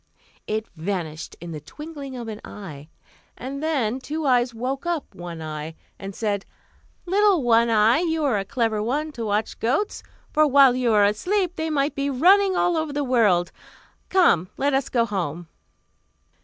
It vanished in the twinkling of an eye; and then Two Eyes woke up One Eye, and said, "Little One Eye, you are a clever one to watch goats; for, while you are asleep, they might be running all over the world. Come, let us go home!"